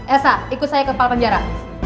elsa ikut saya ke kepala penjara